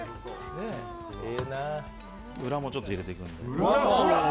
裏もちょっと入れていくんで。